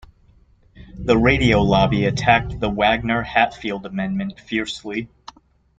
The radio lobby attacked the Wagner-Hatfield amendment fiercely.